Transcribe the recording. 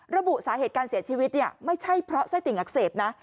ระบุสาเหตุการเสียชีวิตเนี่ยไม่ใช่เพราะไส้ติ่งอักเสบนะ